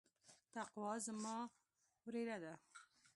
تقوا زما وريره ده.